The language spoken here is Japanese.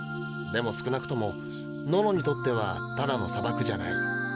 でも少なくともノノにとってはただの砂漠じゃない。